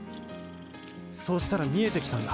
そうしたらみえてきたんだ。